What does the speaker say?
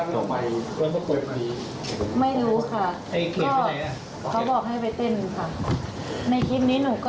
แต่รู้ว่าจะพยายามทัก